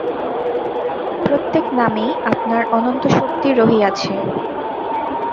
প্রত্যেক নামেই আপনার অনন্তশক্তি রহিয়াছে।